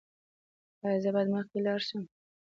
ایا زه باید مخکې لاړ شم؟